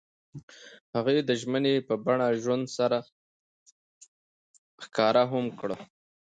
هغوی د ژمنې په بڼه ژوند سره ښکاره هم کړه.